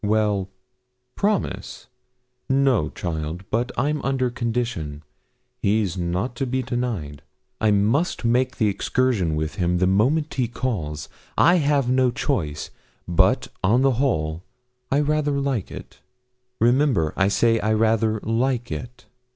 'Well promise? no, child; but I'm under condition; he's not to be denied. I must make the excursion with him the moment he calls. I have no choice; but, on the whole, I rather like it remember, I say, I rather like it.'